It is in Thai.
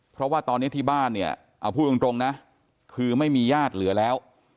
เพราะว่าตอนนี้ที่บ้านเนี่ยเอาพูดตรงนะคือไม่มีญาติเหลือแล้ว